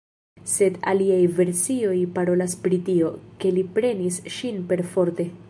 Sed aliaj versioj parolas pri tio, ke li prenis ŝin perforte.